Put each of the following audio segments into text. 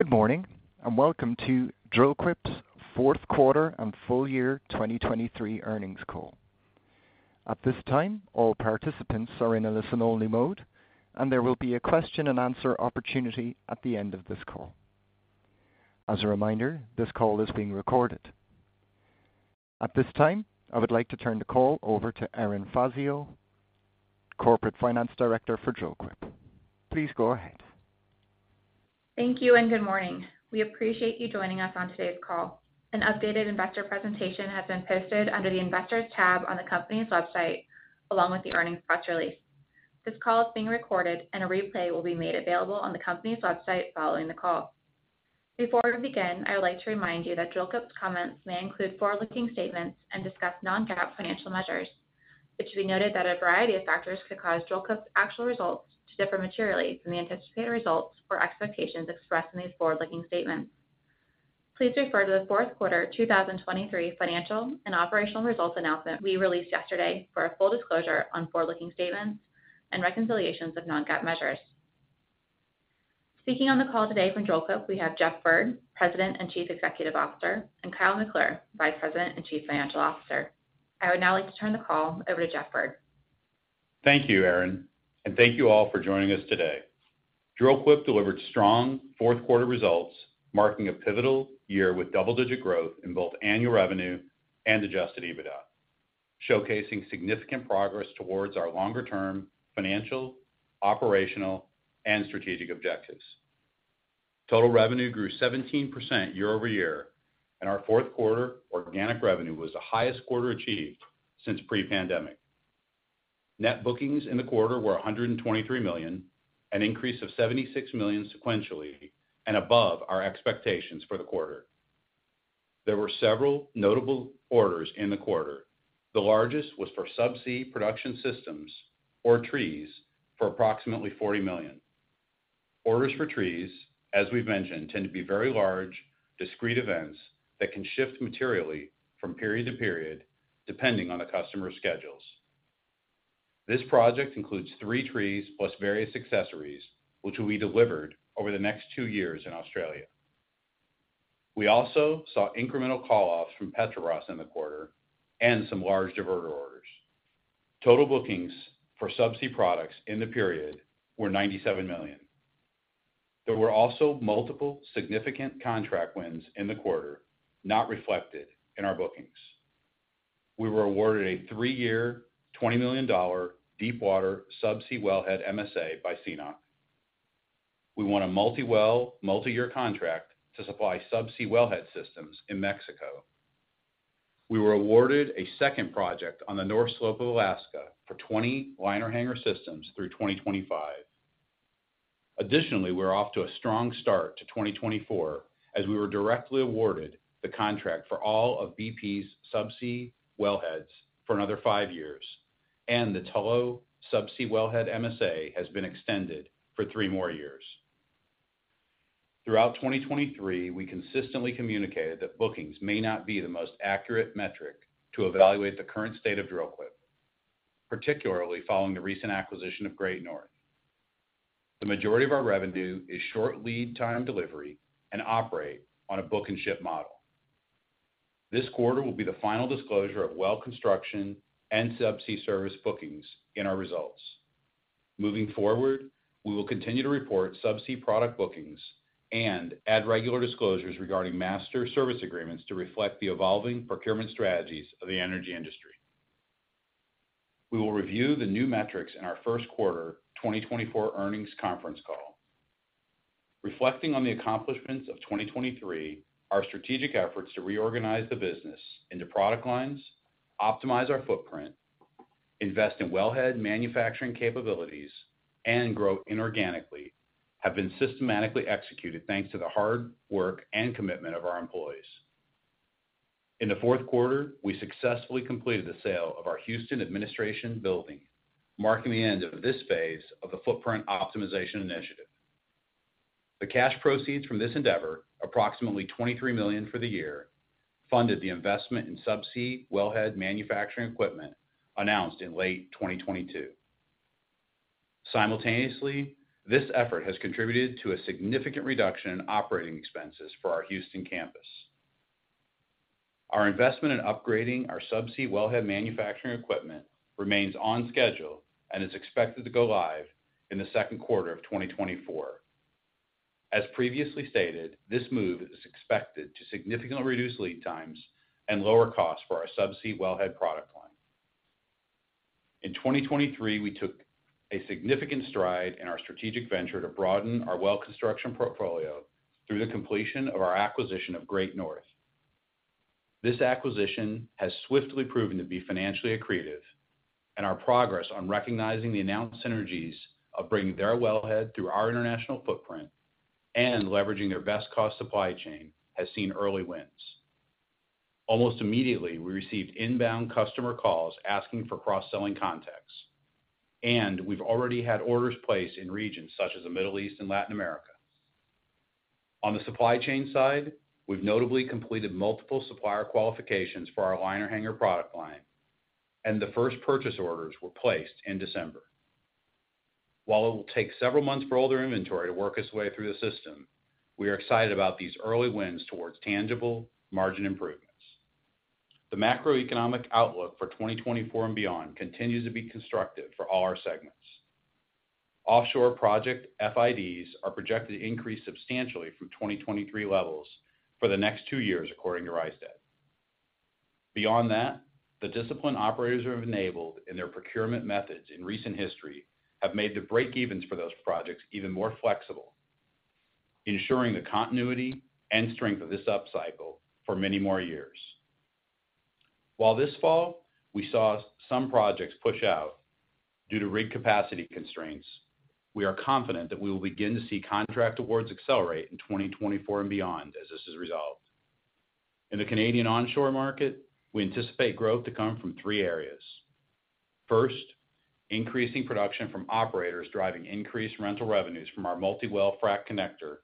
Good morning, and welcome to Dril-Quip's fourth quarter and full year 2023 earnings call. At this time, all participants are in a listen-only mode, and there will be a question and answer opportunity at the end of this call. As a reminder, this call is being recorded. At this time, I would like to turn the call over to Erin Fazio, Corporate Finance Director for Dril-Quip. Please go ahead. Thank you, and good morning. We appreciate you joining us on today's call. An updated investor presentation has been posted under the Investors tab on the company's website, along with the earnings press release. This call is being recorded, and a replay will be made available on the company's website following the call. Before we begin, I would like to remind you that Dril-Quip's comments may include forward-looking statements and discuss non-GAAP financial measures. It should be noted that a variety of factors could cause Dril-Quip's actual results to differ materially from the anticipated results or expectations expressed in these forward-looking statements. Please refer to the fourth quarter 2023 financial and operational results announcement we released yesterday for a full disclosure on forward-looking statements and reconciliations of non-GAAP measures. Speaking on the call today from Dril-Quip, we have Jeffrey Bird, President and Chief Executive Officer, and Kyle McClure, Vice President and Chief Financial Officer. I would now like to turn the call over to Jeffrey Bird. Thank you, Erin, and thank you all for joining us today. Dril-Quip delivered strong fourth quarter results, marking a pivotal year with double-digit growth in both annual revenue and Adjusted EBITDA, showcasing significant progress towards our longer-term financial, operational, and strategic objectives. Total revenue grew 17% year-over-year, and our fourth quarter organic revenue was the highest quarter achieved since pre-pandemic. Net bookings in the quarter were $123 million, an increase of $76 million sequentially and above our expectations for the quarter. There were several notable orders in the quarter. The largest was for subsea production systems, or trees, for approximately $40 million. Orders for trees, as we've mentioned, tend to be very large, discrete events that can shift materially from period to period, depending on the customer's schedules. This project includes three trees plus various accessories, which will be delivered over the next two years in Australia. We also saw incremental call-offs from Petrobras in the quarter and some large diverter orders. Total bookings for subsea products in the period were $97 million. There were also multiple significant contract wins in the quarter, not reflected in our bookings. We were awarded a three-year, $20 million deepwater subsea wellhead MSA by CNOOC. We won a multi-well, multi-year contract to supply subsea wellhead systems in Mexico. We were awarded a second project on the North Slope of Alaska for 20 liner hanger systems through 2025. Additionally, we're off to a strong start to 2024, as we were directly awarded the contract for all of BP's subsea wellheads for another five years, and the Tullow subsea wellhead MSA has been extended for three more years. Throughout 2023, we consistently communicated that bookings may not be the most accurate metric to evaluate the current state of Dril-Quip, particularly following the recent acquisition of Great North. The majority of our revenue is short lead time delivery and operate on a book and ship model. This quarter will be the final disclosure of well construction and subsea service bookings in our results. Moving forward, we will continue to report subsea product bookings and add regular disclosures regarding master service agreements to reflect the evolving procurement strategies of the energy industry. We will review the new metrics in our first quarter 2024 earnings conference call. Reflecting on the accomplishments of 2023, our strategic efforts to reorganize the business into product lines, optimize our footprint, invest in wellhead manufacturing capabilities, and grow inorganically, have been systematically executed thanks to the hard work and commitment of our employees. In the fourth quarter, we successfully completed the sale of our Houston administration building, marking the end of this phase of the footprint optimization initiative. The cash proceeds from this endeavor, approximately $23 million for the year, funded the investment in subsea wellhead manufacturing equipment announced in late 2022. Simultaneously, this effort has contributed to a significant reduction in operating expenses for our Houston campus. Our investment in upgrading our subsea wellhead manufacturing equipment remains on schedule and is expected to go live in the second quarter of 2024. As previously stated, this move is expected to significantly reduce lead times and lower costs for our subsea wellhead product line. In 2023, we took a significant stride in our strategic venture to broaden our well construction portfolio through the completion of our acquisition of Great North. This acquisition has swiftly proven to be financially accretive, and our progress on recognizing the announced synergies of bringing their wellhead through our international footprint and leveraging their best-cost supply chain has seen early wins. Almost immediately, we received inbound customer calls asking for cross-selling contacts, and we've already had orders placed in regions such as the Middle East and Latin America. On the supply chain side, we've notably completed multiple supplier qualifications for our liner hanger product line, and the first purchase orders were placed in December. While it will take several months for older inventory to work its way through the system, we are excited about these early wins towards tangible margin improvements. The macroeconomic outlook for 2024 and beyond continues to be constructive for all our segments. Offshore project FIDs are projected to increase substantially from 2023 levels for the next two years, according to Rystad. Beyond that, the disciplined operators who have enabled in their procurement methods in recent history have made the break-evens for those projects even more flexible, ensuring the continuity and strength of this upcycle for many more years. While this fall, we saw some projects push out due to rig capacity constraints, we are confident that we will begin to see contract awards accelerate in 2024 and beyond as this is resolved. In the Canadian onshore market, we anticipate growth to come from three areas. First, increasing production from operators driving increased rental revenues from our multi-well frac connector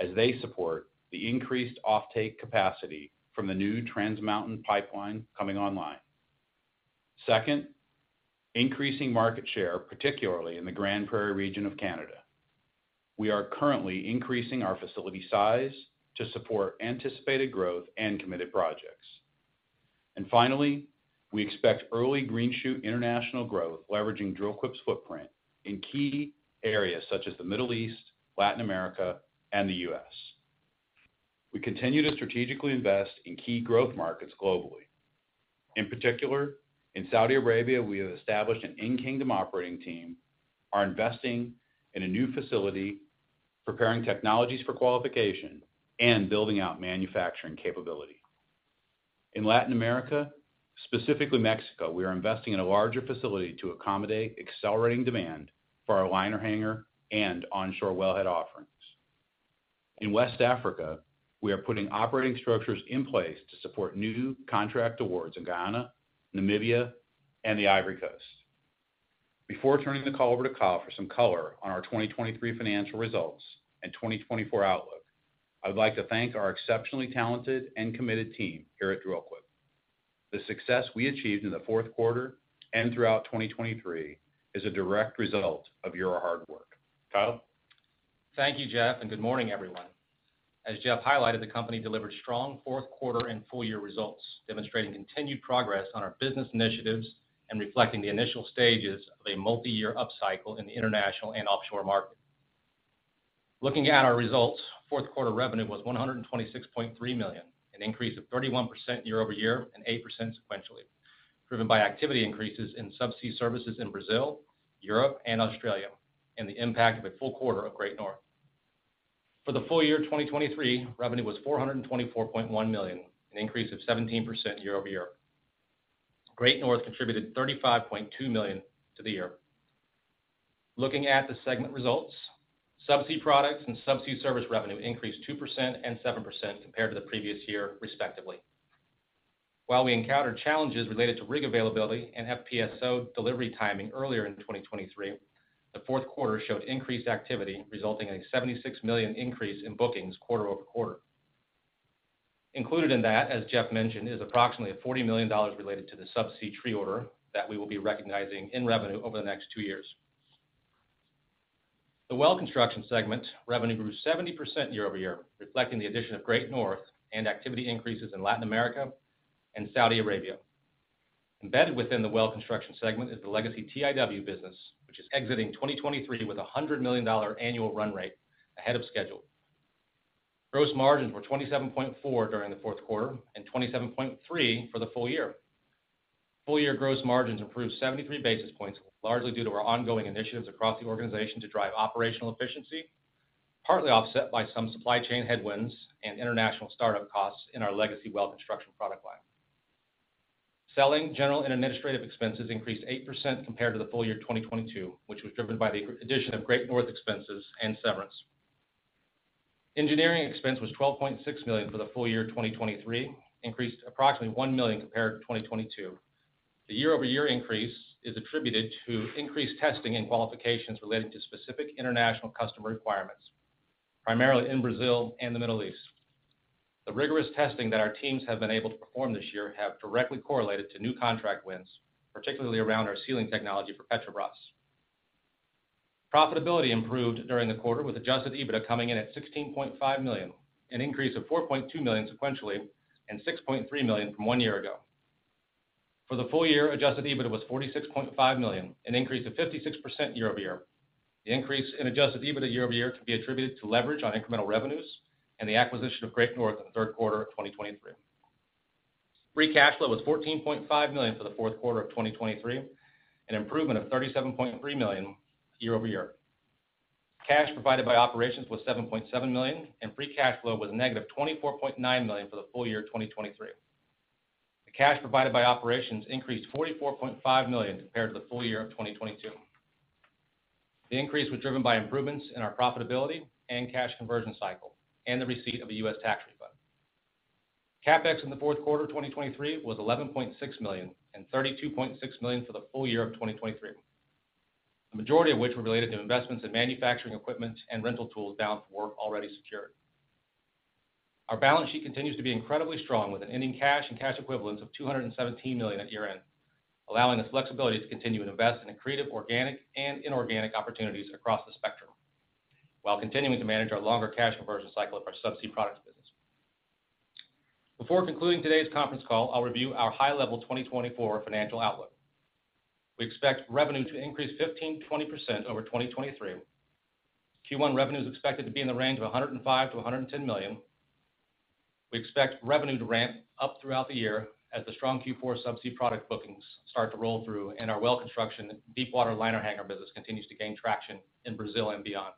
as they support the increased offtake capacity from the new Trans Mountain pipeline coming online. Second, increasing market share, particularly in the Grande Prairie region of Canada. We are currently increasing our facility size to support anticipated growth and committed projects. And finally, we expect early green shoot international growth, leveraging Dril-Quip's footprint in key areas such as the Middle East, Latin America, and the U.S. We continue to strategically invest in key growth markets globally. In particular, in Saudi Arabia, we have established an in-kingdom operating team, are investing in a new facility, preparing technologies for qualification, and building out manufacturing capability. In Latin America, specifically Mexico, we are investing in a larger facility to accommodate accelerating demand for our liner hanger and onshore wellhead offerings. In West Africa, we are putting operating structures in place to support new contract awards in Ghana, Namibia, and the Ivory Coast. Before turning the call over to Kyle for some color on our 2023 financial results and 2024 outlook, I would like to thank our exceptionally talented and committed team here at Dril-Quip. The success we achieved in the fourth quarter and throughout 2023 is a direct result of your hard work. Kyle? Thank you, Jeff, and good morning, everyone. As Jeff highlighted, the company delivered strong fourth quarter and full year results, demonstrating continued progress on our business initiatives and reflecting the initial stages of a multi-year upcycle in the international and offshore market. Looking at our results, fourth quarter revenue was $126.3 million, an increase of 31% year-over-year and 8% sequentially, driven by activity increases in subsea services in Brazil, Europe, and Australia, and the impact of a full quarter of Great North. For the full year 2023, revenue was $424.1 million, an increase of 17% year-over-year. Great North contributed $35.2 million to the year. Looking at the segment results, subsea products and subsea service revenue increased 2% and 7% compared to the previous year, respectively. While we encountered challenges related to rig availability and FPSO delivery timing earlier in 2023, the fourth quarter showed increased activity, resulting in a $76 million increase in bookings quarter-over-quarter. Included in that, as Jeff mentioned, is approximately $40 million related to the subsea tree order that we will be recognizing in revenue over the next two years. The well construction segment revenue grew 70% year-over-year, reflecting the addition of Great North and activity increases in Latin America and Saudi Arabia. Embedded within the well construction segment is the legacy TIW business, which is exiting 2023 with a $100 million annual run rate ahead of schedule. Gross margins were 27.4% during the fourth quarter and 27.3% for the full year. Full-year gross margins improved 73 basis points, largely due to our ongoing initiatives across the organization to drive operational efficiency, partly offset by some supply chain headwinds and international startup costs in our legacy well construction product line. Selling, general, and administrative expenses increased 8% compared to the full year 2022, which was driven by the addition of Great North expenses and severance. Engineering expense was $12.6 million for the full year 2023, increased approximately $1 million compared to 2022. The year-over-year increase is attributed to increased testing and qualifications related to specific international customer requirements, primarily in Brazil and the Middle East. The rigorous testing that our teams have been able to perform this year have directly correlated to new contract wins, particularly around our sealing technology for Petrobras. Profitability improved during the quarter, with Adjusted EBITDA coming in at $16.5 million, an increase of $4.2 million sequentially and $6.3 million from one year ago. For the full year, Adjusted EBITDA was $46.5 million, an increase of 56% year-over-year. The increase in Adjusted EBITDA year-over-year can be attributed to leverage on incremental revenues and the acquisition of Great North in the third quarter of 2023. Free cash flow was $14.5 million for the fourth quarter of 2023, an improvement of $37.3 million year-over-year. Cash provided by operations was $7.7 million, and free cash flow was a negative $24.9 million for the full year 2023. The cash provided by operations increased $44.5 million compared to the full year of 2022. The increase was driven by improvements in our profitability and cash conversion cycle and the receipt of a U.S. tax refund. CapEx in the fourth quarter of 2023 was $11.6 million and $32.6 million for the full year of 2023. The majority of which were related to investments in manufacturing equipment and rental tools down work already secured.... Our balance sheet continues to be incredibly strong, with an ending cash and cash equivalents of $217 million at year-end, allowing us flexibility to continue to invest in accretive, organic and inorganic opportunities across the spectrum, while continuing to manage our longer cash conversion cycle of our subsea products business. Before concluding today's conference call, I'll review our high-level 2024 financial outlook. We expect revenue to increase 15%-20% over 2023. Q1 revenue is expected to be in the range of $105 million-$110 million. We expect revenue to ramp up throughout the year as the strong Q4 subsea product bookings start to roll through and our well construction deepwater liner hanger business continues to gain traction in Brazil and beyond.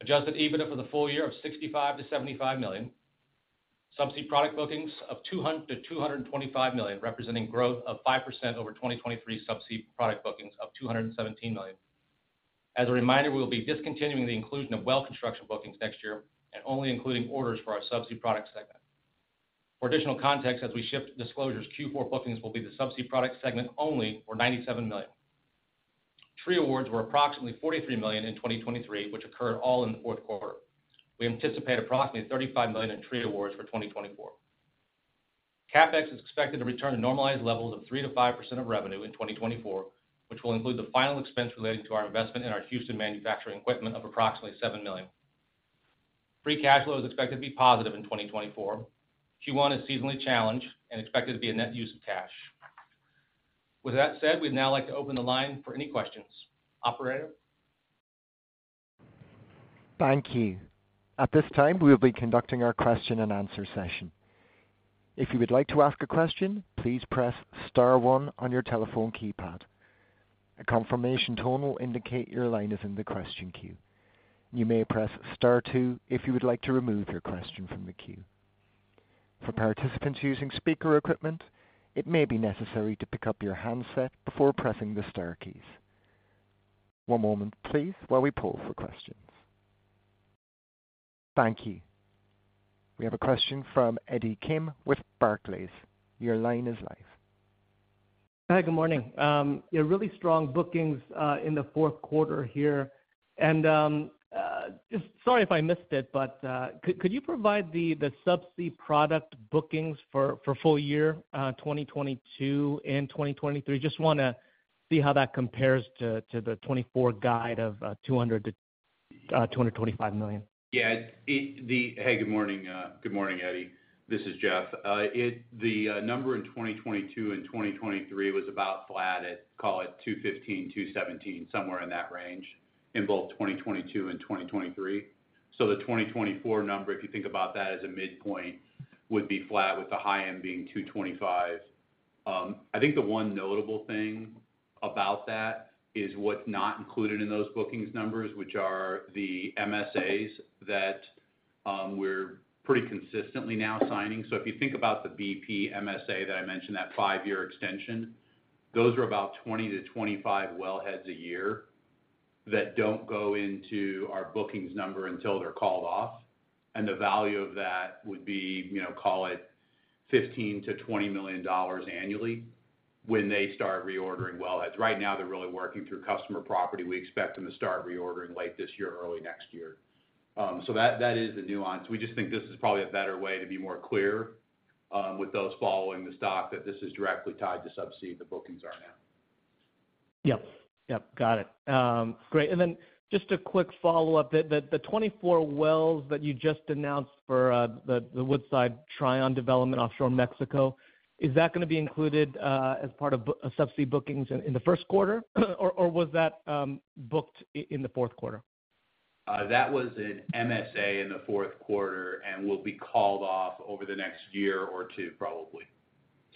Adjusted EBITDA for the full year of $65 million-$75 million. Subsea product bookings of $200 million-$225 million, representing growth of 5% over 2023 subsea product bookings of $217 million. As a reminder, we'll be discontinuing the inclusion of well construction bookings next year and only including orders for our subsea product segment. For additional context, as we shift disclosures, Q4 bookings will be the subsea product segment only for $97 million. Tree awards were approximately $43 million in 2023, which occurred all in the fourth quarter. We anticipate approximately $35 million in tree awards for 2024. CapEx is expected to return to normalized levels of 3%-5% of revenue in 2024, which will include the final expense relating to our investment in our Houston manufacturing equipment of approximately $7 million. Free cash flow is expected to be positive in 2024. Q1 is seasonally challenged and expected to be a net use of cash. With that said, we'd now like to open the line for any questions. Operator? Thank you. At this time, we will be conducting our question-and-answer session. If you would like to ask a question, please press star one on your telephone keypad. A confirmation tone will indicate your line is in the question queue. You may press star two if you would like to remove your question from the queue. For participants using speaker equipment, it may be necessary to pick up your handset before pressing the star keys. One moment, please, while we pull for questions. Thank you. We have a question from Eddie Kim with Barclays. Your line is live. Hi, good morning. Yeah, really strong bookings in the fourth quarter here. Just sorry if I missed it, but could you provide the subsea product bookings for full year 2022 and 2023? Just wanna see how that compares to the 2024 guide of $200 million-$225 million. Hey, good morning, good morning, Eddie. This is Jeff. The number in 2022 and 2023 was about flat at, call it $215 million-$217 million, somewhere in that range in both 2022 and 2023. So the 2024 number, if you think about that as a midpoint, would be flat, with the high end being $225 million. I think the one notable thing about that is what's not included in those bookings numbers, which are the MSAs that we're pretty consistently now signing. So if you think about the BP MSA that I mentioned, that five-year extension, those are about 20-25 wellheads a year that don't go into our bookings number until they're called off, and the value of that would be, you know, call it $15 million-$20 million annually when they start reordering wellheads. Right now, they're really working through customer property. We expect them to start reordering late this year, early next year. So that, that is the nuance. We just think this is probably a better way to be more clear with those following the stock, that this is directly tied to subsea, the bookings are now. Yep. Yep, got it. Great. And then just a quick follow-up. The 24 wells that you just announced for the Woodside Trion development offshore Mexico, is that gonna be included as part of subsea bookings in the first quarter, or was that booked in the fourth quarter? That was an MSA in the fourth quarter and will be called off over the next year or two, probably.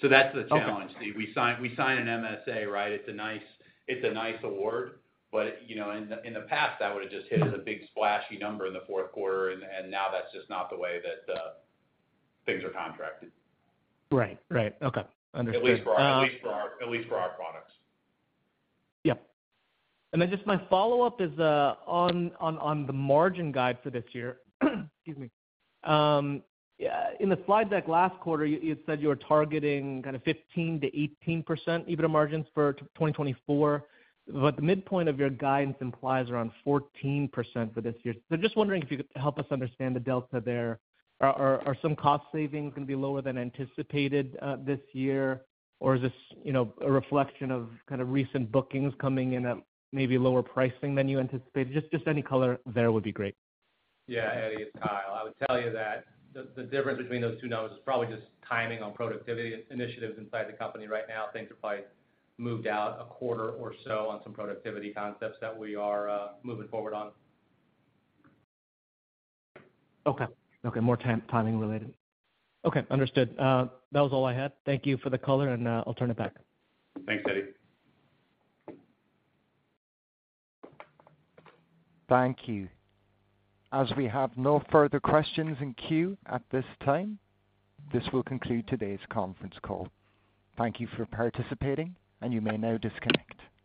So that's the challenge- Okay. We sign, we sign an MSA, right? It's a nice, it's a nice award, but, you know, in the, in the past, that would've just hit as a big splashy number in the fourth quarter, and, and now that's just not the way that things are contracted. Right. Right. Okay, understood. At least for our products. Yep. And then just my follow-up is on the margin guide for this year. Yeah, in the slide deck last quarter, you said you were targeting kind of 15%-18% EBITDA margins for 2024, but the midpoint of your guidance implies around 14% for this year. So just wondering if you could help us understand the delta there. Are some cost savings gonna be lower than anticipated this year? Or is this, you know, a reflection of kind of recent bookings coming in at maybe lower pricing than you anticipated? Just any color there would be great. Yeah, Eddie, it's Kyle. I would tell you that the difference between those two numbers is probably just timing on productivity initiatives inside the company right now. Things are probably moved out a quarter or so on some productivity concepts that we are moving forward on. Okay. Okay, more time, timing related. Okay, understood. That was all I had. Thank you for the color, and I'll turn it back. Thanks, Eddie. Thank you. As we have no further questions in queue at this time, this will conclude today's conference call. Thank you for participating, and you may now disconnect.